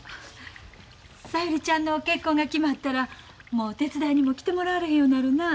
小百合ちゃんの結婚が決まったらもう手伝いにも来てもらわれへんようになるな。